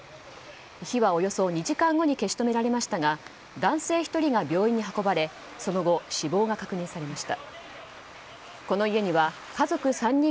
火はおよそ２時間後に消し止められましたが男性１人が病院に運ばれその後、死亡が確認されました。